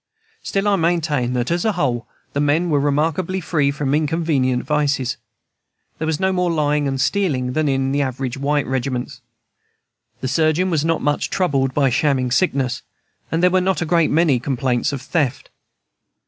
Still, I maintain that, as a whole, the men were remarkably free from inconvenient vices. There was no more lying and stealing than in average white regiments. The surgeon was not much troubled by shamming sickness, and there were not a great many complaints of theft.